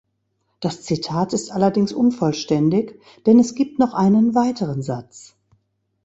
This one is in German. Das Zitat ist allerdings unvollständig, denn es gibt noch einen weiteren Satz.